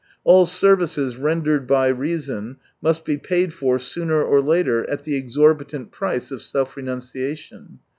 AU services rendered by reason must be paid for sooner or later at the exorbitant price of self renunciation.